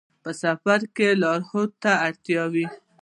په سفر کې لارښود ته اړتیا وي.